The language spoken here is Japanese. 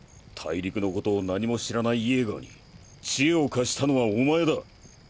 大陸のことを何も知らないイェーガーに知恵を貸したのはお前だ。